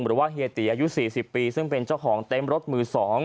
เฮียตีอายุ๔๐ปีซึ่งเป็นเจ้าของเต็มรถมือ๒